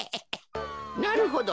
なるほど。